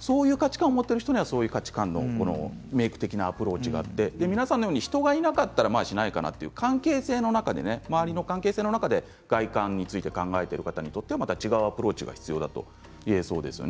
そういう価値観を持てる方はそういう価値観のメーク的なアプローチがあって皆さんのように人がいなかったらしないかなという関係性の中で周りの関係性の中で外見について考えている方については違うアプローチが必要だと言えそうですね。